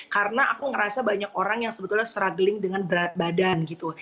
karena aku ngerasa banyak orang yang sebetulnya struggling dengan berat badan gitu